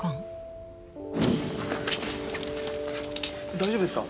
大丈夫ですか？